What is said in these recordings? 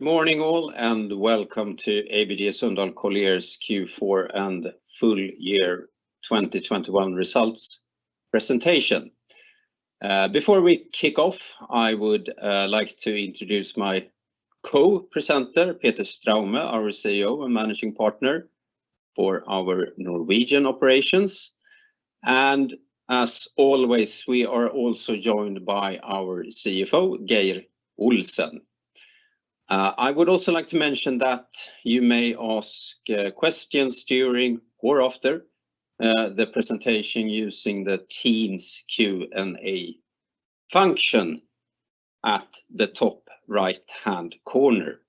Good morning all and welcome to ABG Sundal Collier's Q4 and full year 2021 results presentation. Before we kick off, I would like to introduce my co-presenter, Peter Straume, our CEO and Managing Partner for our Norwegian operations, and as always, we are also joined by our CFO, Geir Olsen. I would also like to mention that you may ask questions during or after the presentation using the Teams Q&A function at the top right-hand corner.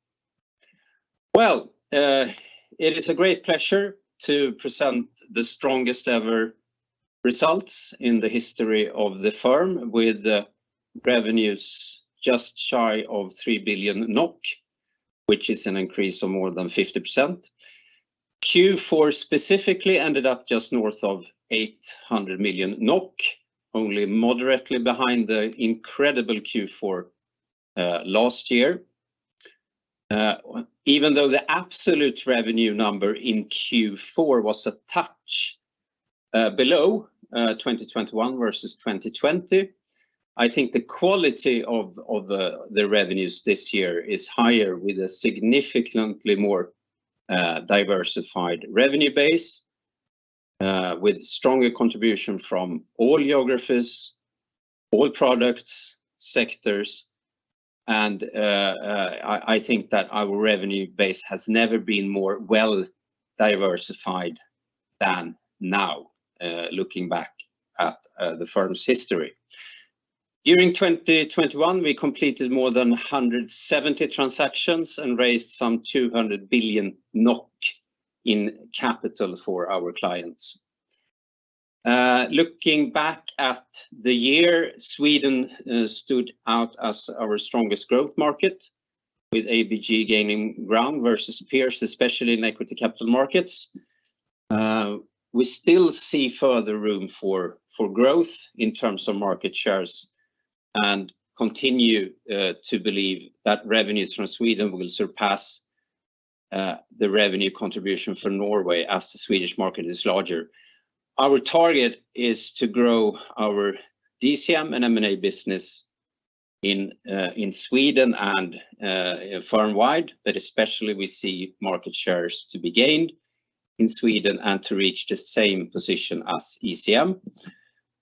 It is a great pleasure to present the strongest ever results in the history of the firm with the revenues just shy of 3 billion NOK, which is an increase of more than 50%. Q4 specifically ended up just north of 800 million NOK, only moderately behind the incredible Q4 last year. Even though the absolute revenue number in Q4 was a touch below 2021 versus 2020, I think the quality of the revenues this year is higher with a significantly more diversified revenue base with stronger contribution from all geographies, all products, sectors and I think that our revenue base has never been more well diversified than now looking back at the firm's history. During 2021, we completed more than 170 transactions and raised some 200 billion NOK in capital for our clients. Looking back at the year, Sweden stood out as our strongest growth market with ABG gaining ground versus peers, especially in equity capital markets. We still see further room for growth in terms of market shares and continue to believe that revenues from Sweden will surpass the revenue contribution for Norway as the Swedish market is larger. Our target is to grow our DCM and M&A business in Sweden and firm wide, but especially we see market shares to be gained in Sweden and to reach the same position as ECM.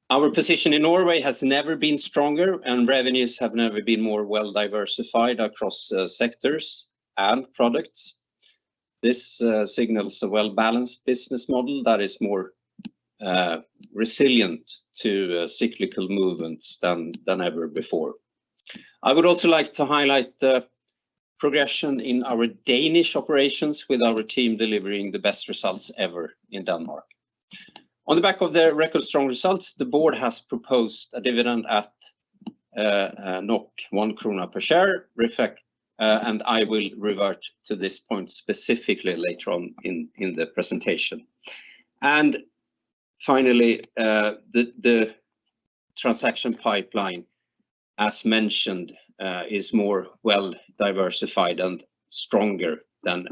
Our position in Norway has never been stronger, and revenues have never been more well diversified across sectors and products. This signals a well-balanced business model that is more resilient to cyclical movements than ever before. I would also like to highlight the progression in our Danish operations with our team delivering the best results ever in Denmark. On the back of their record-strong results, the board has proposed a dividend at 1 krona per share. I will revert to this point specifically later on in the presentation. Finally, the transaction pipeline, as mentioned, is more well diversified and stronger than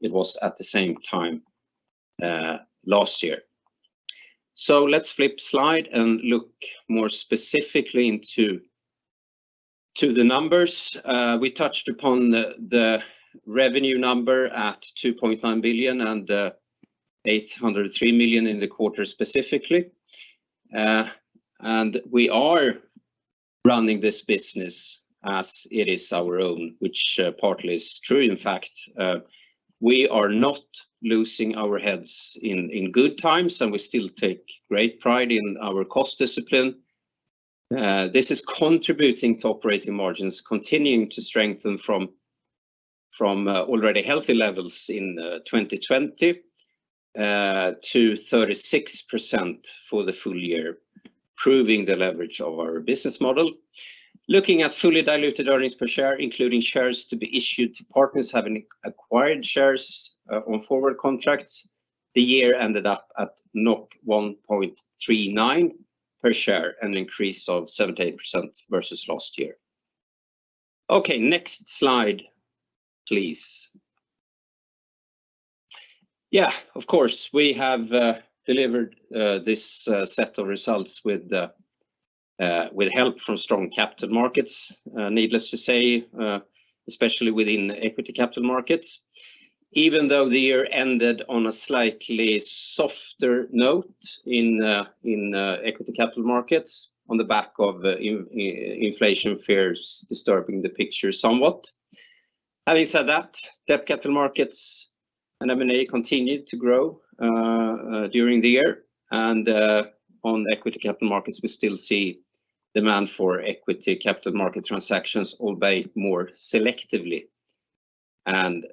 it was at the same time last year. Let's flip slide and look more specifically into the numbers. We touched upon the revenue number at 2.9 billion and 803 million in the quarter specifically. We are running this business as it is our own, which partly is true, in fact. We are not losing our heads in good times, and we still take great pride in our cost discipline. This is contributing to operating margins continuing to strengthen from already healthy levels in 2020 to 36% for the full year, proving the leverage of our business model. Looking at fully diluted earnings per share, including shares to be issued to partners having acquired shares on forward contracts, the year ended up at 1.39 per share, an increase of 78% versus last year. Okay, next slide, please. Yeah, of course, we have delivered this set of results with help from strong capital markets. Needless to say, especially within equity capital markets. Even though the year ended on a slightly softer note in equity capital markets on the back of inflation fears disturbing the picture somewhat. Having said that, debt capital markets and M&A continued to grow during the year. On equity capital markets, we still see demand for equity capital market transactions, albeit more selectively and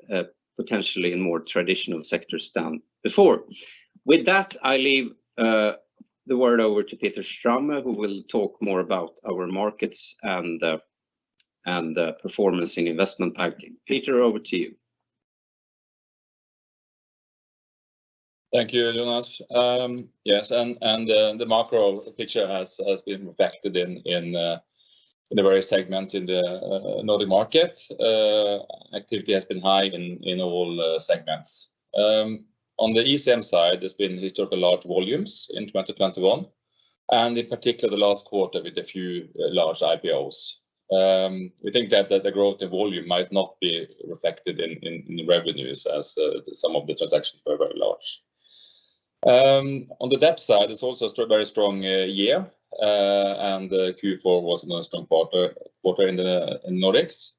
potentially in more traditional sectors than before. With that, I leave the word over to Peter Straume, who will talk more about our markets and performance in investment banking. Peter, over to you. Thank you, Jonas. Yes, the macro picture has been reflected in the various segments in the Nordic market. Activity has been high in all the segments. On the ECM side, there's been historically large volumes in 2021, and in particular the last quarter with a few large IPOs. We think that the growth in volume might not be reflected in the revenues as some of the transactions were very large. On the debt side, it's also a very strong year. Q4 was another strong quarter in the Nordics.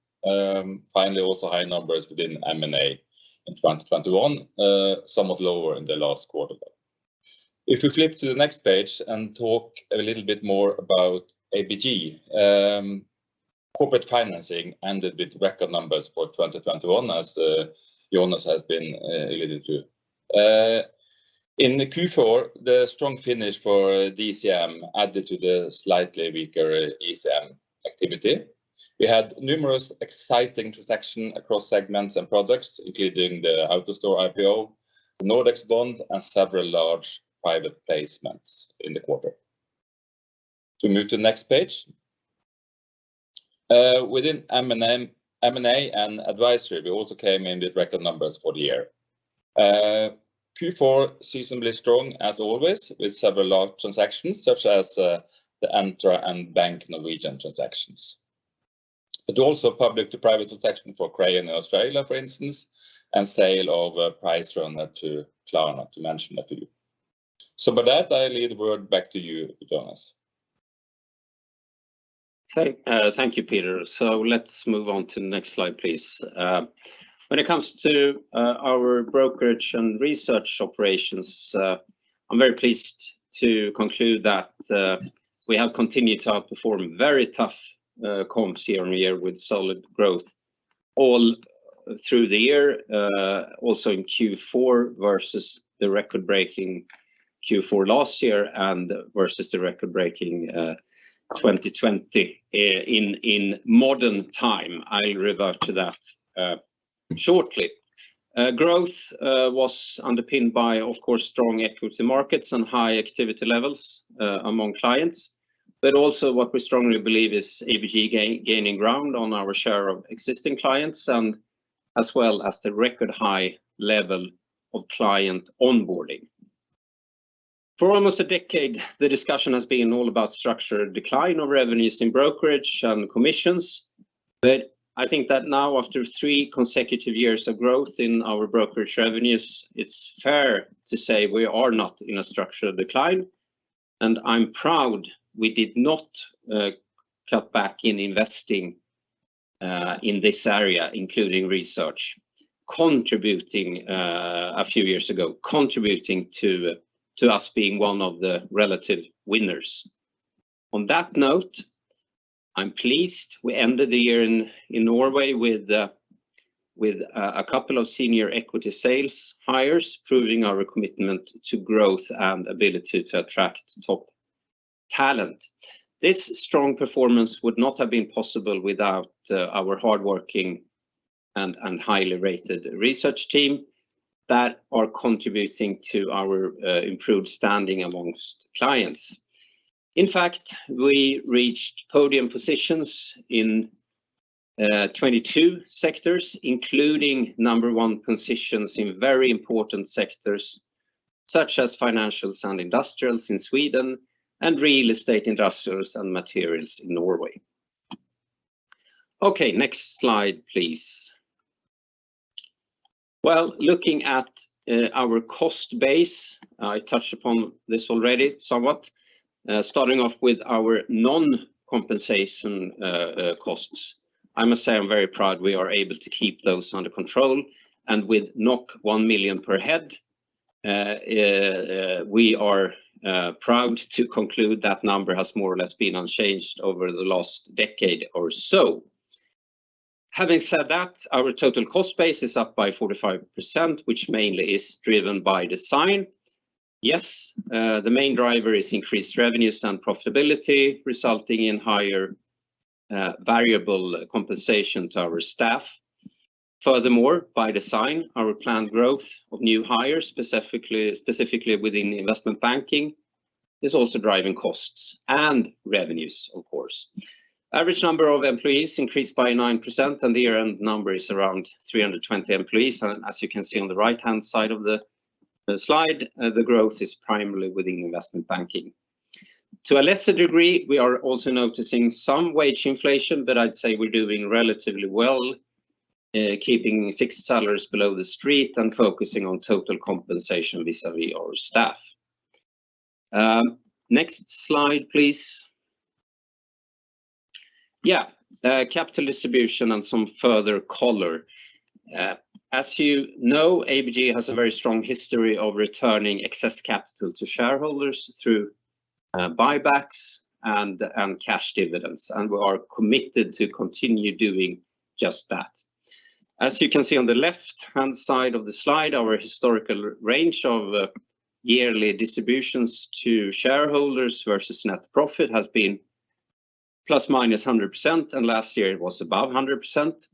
Finally, also high numbers within M&A in 2021, somewhat lower in the last quarter though. If we flip to the next page and talk a little bit more about ABG. Corporate Financing ended with record numbers for 2021 as Jonas has been alluding to. In the Q4, the strong finish for DCM added to the slightly weaker ECM activity. We had numerous exciting transactions across segments and products, including the AutoStore IPO, the Nordax bond, and several large private placements in the quarter. Can we move to the next page? Within M&A and advisory, we also came in with record numbers for the year. Q4, seasonally strong as always with several large transactions such as the Intera and Bank Norwegian transactions. But also public to private transaction for Kray in Australia, for instance, and sale of PriceRunner to Klarna, to mention a few. With that, I hand the word back to you, Jonas. Thank you, Peter. Let's move on to the next slide, please. When it comes to our Brokerage and Research operations, I'm very pleased to conclude that we have continued to outperform very tough comps year-on-year with solid growth all through the year. Also in Q4 versus the record-breaking Q4 last year and versus the record-breaking 2020 in modern time. I'll revert to that shortly. Growth was underpinned by, of course, strong equity markets and high activity levels among clients. Also what we strongly believe is ABG gaining ground on our share of existing clients and as well as the record high level of client onboarding. For almost a decade, the discussion has been all about structural decline of revenues in brokerage and commissions. I think that now after three consecutive years of growth in our brokerage revenues, it's fair to say we are not in a structural decline. I'm proud we did not cut back in investing in this area, including research, contributing a few years ago to us being one of the relative winners. On that note, I'm pleased we ended the year in Norway with a couple of senior equity sales hires proving our commitment to growth and ability to attract top talent. This strong performance would not have been possible without our hardworking and highly rated research team that are contributing to our improved standing amongst clients. In fact, we reached podium positions in 22 sectors, including number one positions in very important sectors such as financials and industrials in Sweden and real estate, industrials, and materials in Norway. Okay, next slide, please. Well, looking at our cost base, I touched upon this already somewhat, starting off with our non-compensation costs. I must say I'm very proud we are able to keep those under control. With 1 million per head, we are proud to conclude that number has more or less been unchanged over the last decade or so. Having said that, our total cost base is up by 45%, which mainly is driven by design. Yes, the main driver is increased revenues and profitability, resulting in higher variable compensation to our staff. Furthermore, by design, our planned growth of new hires, specifically within investment banking, is also driving costs and revenues, of course. Average number of employees increased by 9%, and the year-end number is around 320 employees. As you can see on the right-hand side of the slide, the growth is primarily within investment banking. To a lesser degree, we are also noticing some wage inflation, but I'd say we're doing relatively well, keeping fixed salaries below the street and focusing on total compensation vis-à-vis our staff. Next slide, please. Capital distribution and some further color. As you know, ABG has a very strong history of returning excess capital to shareholders through buybacks and cash dividends, and we are committed to continue doing just that. As you can see on the left-hand side of the slide, our historical range of yearly distributions to shareholders versus net profit has been ±100% and last year it was above 100%.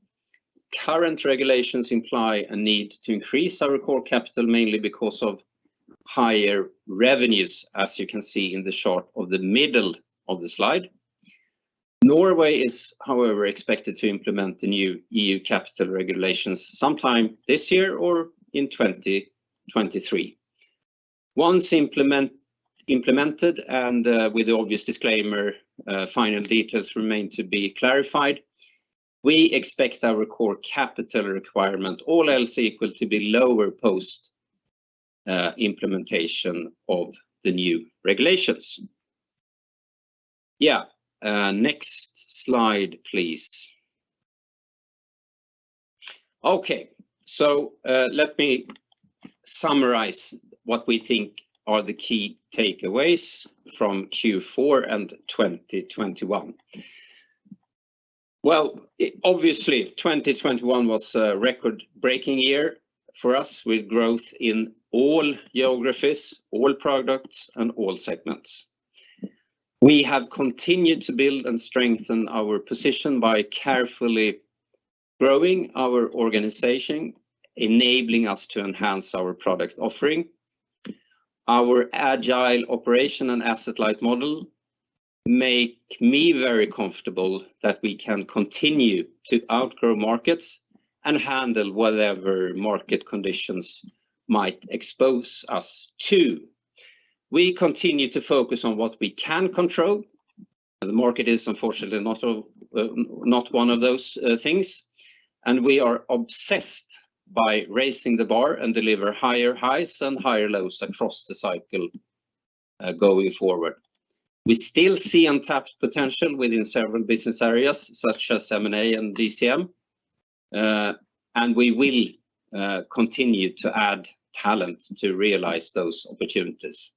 Current regulations imply a need to increase our core capital mainly because of higher revenues as you can see in the chart of the middle of the slide. Norway is however expected to implement the new EU capital regulations sometime this year or in 2023. Once implemented and with the obvious disclaimer, final details remain to be clarified, we expect our core capital requirement all else equal to be lower post implementation of the new regulations. Next slide please. Let me summarize what we think are the key takeaways from Q4 and 2021. Well, obviously 2021 was a record-breaking year for us with growth in all geographies, all products, and all segments. We have continued to build and strengthen our position by carefully growing our organization enabling us to enhance our product offering. Our agile operation and asset light model make me very comfortable that we can continue to outgrow markets and handle whatever market conditions might expose us to. We continue to focus on what we can control and the market is unfortunately not one of those things and we are obsessed by raising the bar and deliver higher highs and higher lows across the cycle going forward. We still see untapped potential within several business areas such as M&A and DCM and we will continue to add talent to realize those opportunities.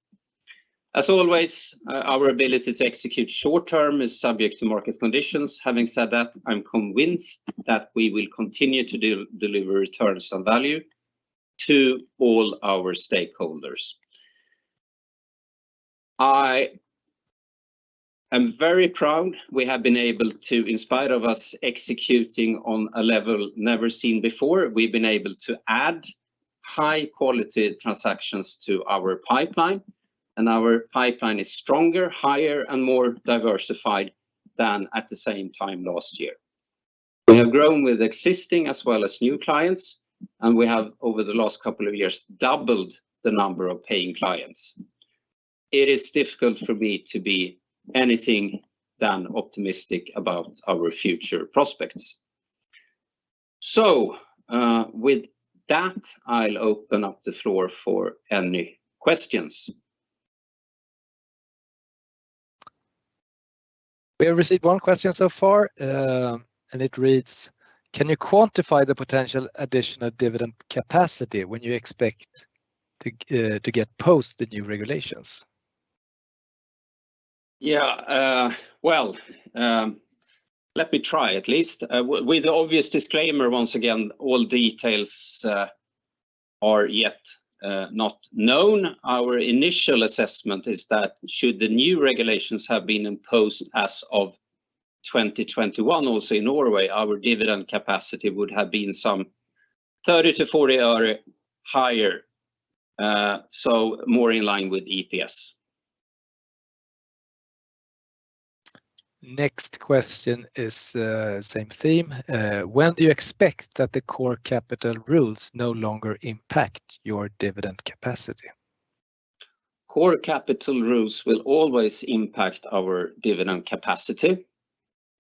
As always, our ability to execute short term is subject to market conditions. Having said that, I'm convinced that we will continue to deliver returns and value to all our stakeholders. I am very proud we have been able to in spite of us executing on a level never seen before, we've been able to add high quality transactions to our pipeline and our pipeline is stronger, higher, and more diversified than at the same time last year. We have grown with existing as well as new clients and we have over the last couple of years doubled the number of paying clients. It is difficult for me to be anything than optimistic about our future prospects. With that, I'll open up the floor for any questions. We have received one question so far, and it reads, Can you quantify the potential additional dividend capacity when you expect to get post the new regulations? Well, let me try at least. With the obvious disclaimer once again all details are not yet known. Our initial assessment is that should the new regulations have been imposed as of 2021 also in Norway our dividend capacity would have been some 30-40 or higher. More in line with EPS. Next question is, same theme. When do you expect that the core capital rules no longer impact your dividend capacity? Core capital rules will always impact our dividend capacity.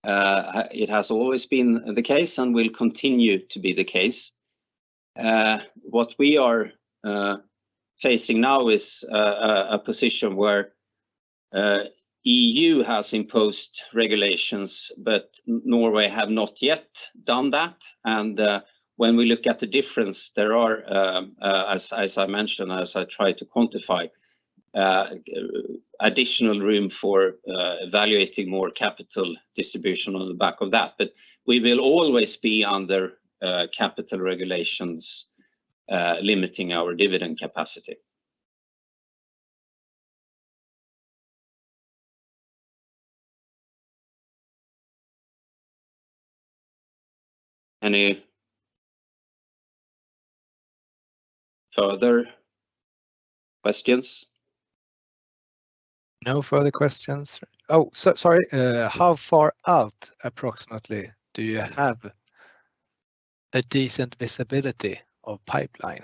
It has always been the case and will continue to be the case. What we are facing now is a position where EU has imposed regulations but Norway have not yet done that and when we look at the difference there are as I mentioned as I try to quantify additional room for evaluating more capital distribution on the back of that. We will always be under capital regulations limiting our dividend capacity. Any further questions? No further questions. Oh, sorry. How far out approximately do you have a decent visibility of pipeline?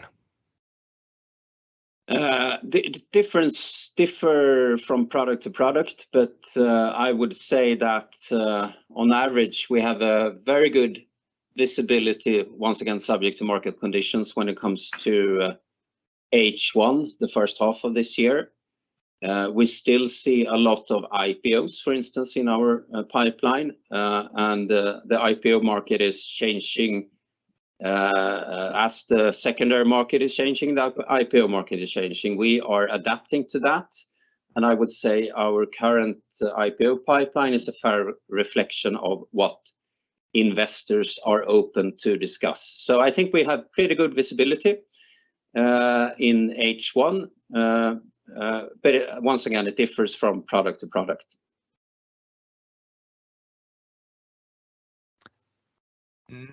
The difference differs from product to product, but I would say that on average we have a very good visibility once again subject to market conditions when it comes to H1 the first half of this year. We still see a lot of IPOs for instance in our pipeline. The IPO market is changing as the secondary market is changing. We are adapting to that and I would say our current IPO pipeline is a fair reflection of what investors are open to discuss. I think we have pretty good visibility in H1. Once again, it differs from product to product.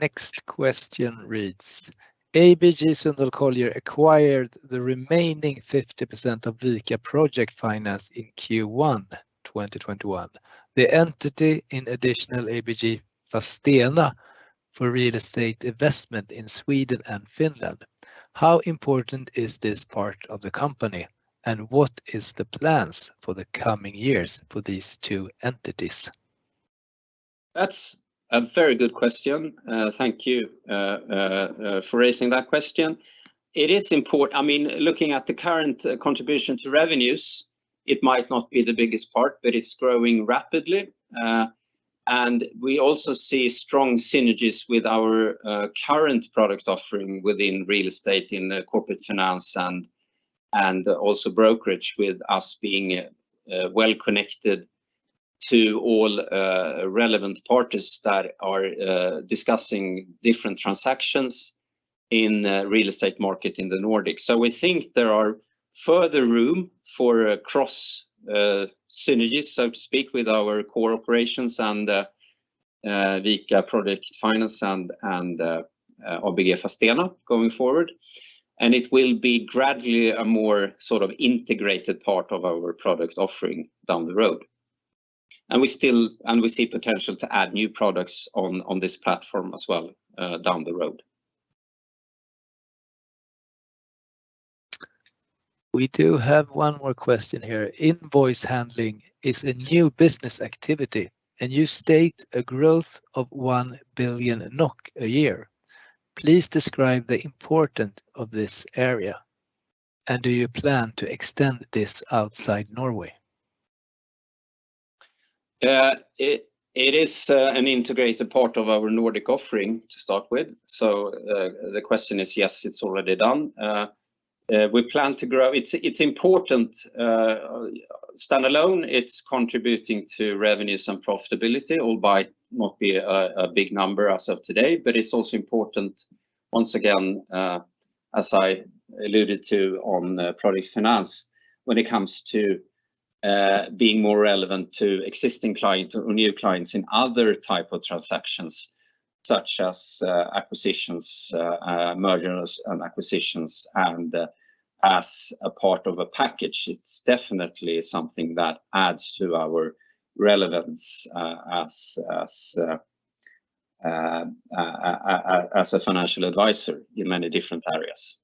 Next question reads, ABG Sundal Collier acquired the remaining 50% of Vika Project Finance in Q1 2021. The entity, in addition, ABG Fastena for real estate investment in Sweden and Finland. How important is this part of the company, and what is the plans for the coming years for these two entities? That's a very good question. Thank you for raising that question. Looking at the current contribution to revenues, it might not be the biggest part, but it's growing rapidly. We also see strong synergies with our current product offering within real estate in corporate finance and also brokerage with us being well connected to all relevant parties that are discussing different transactions in the real estate market in the Nordics. We think there are further room for cross synergies, so to speak, with our core operations and Vika Project Finance and ABG Fastena going forward. It will be gradually a more sort of integrated part of our product offering down the road. We see potential to add new products on this platform as well, down the road. We do have one more question here. Invoice handling is a new business activity, and you state a growth of 1 billion NOK a year. Please describe the importance of this area, and do you plan to extend this outside Norway? It is an integrated part of our Nordic offering to start with. The question is yes, it's already done. We plan to grow. It's important. Standalone, it's contributing to revenues and profitability, albeit not to be a big number as of today, but it's also important once again, as I alluded to on Project Finance, when it comes to being more relevant to existing clients or new clients in other type of transactions, such as acquisitions, mergers and acquisitions. As a part of a package, it's definitely something that adds to our relevance as a financial advisor in many different areas.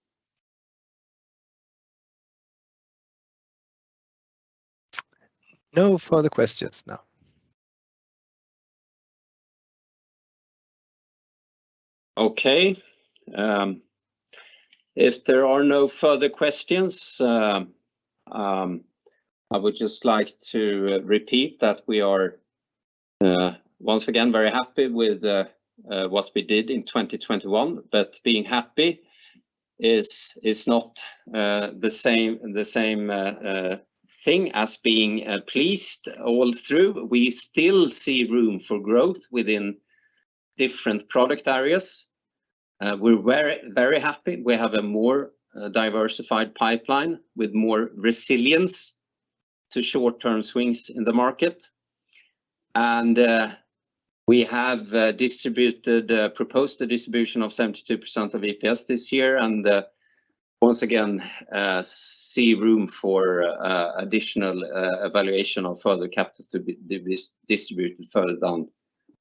No further questions now. Okay. If there are no further questions, I would just like to repeat that we are once again very happy with what we did in 2021. Being happy is not the same thing as being pleased all through. We still see room for growth within different product areas. We're very happy. We have a more diversified pipeline with more resilience to short-term swings in the market. We have proposed a distribution of 72% of EPS this year, and once again see room for additional allocation of further capital to be distributed further down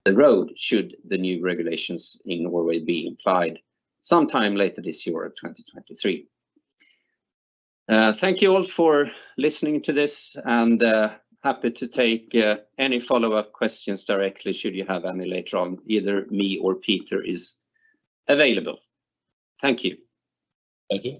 the road should the new regulations in Norway be implemented sometime later this year or 2023. Thank you all for listening to this, and happy to take any follow-up questions directly, should you have any later on. Either me or Peter is available. Thank you. Thank you.